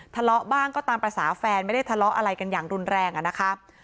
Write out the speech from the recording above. ทะเลาะบ้างก็ตามภาษาแฟนไม่ได้ทะเลาะอะไรกันอย่างรุนแรงอะนะคะ